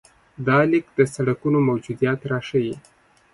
دا لیک د سړکونو موجودیت راښيي.